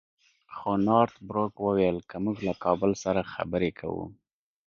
خو نارت بروک وویل که موږ له کابل سره خبرې کوو.